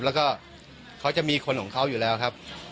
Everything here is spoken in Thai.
แล้วก็เขาจะมีคนของเขาอยู่แล้วครับ